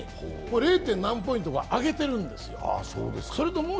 ０．何ポイントか上げているんですよ。